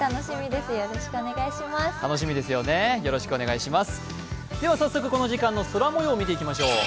では早速この時間の空もようを見ていきましょう。